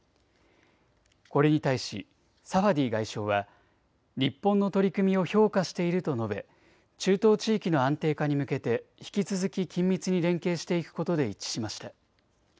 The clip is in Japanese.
これに対しサファディ外相は日本の取り組みを評価していると述べ中東地域の安定化に向けて引き続き緊密に連携していくことで一致しました。